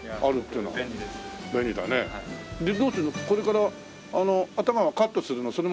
これから頭はカットするの？